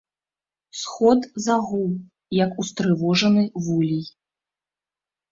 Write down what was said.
Сход загуў, як устрывожаны вулей.